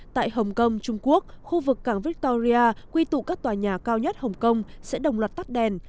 tại hồng kông trung quốc khu vực cảng victoria quy tụ các tòa nhà cao nhất hồng kông sẽ đồng loạt tắt đèn